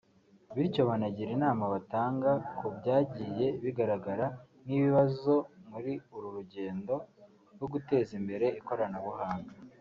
Bityo banagira inama batanga ku byagiye bigaragara nk’ibibazo muri uru rugendo ryo guteza imbere ikoranabuhanga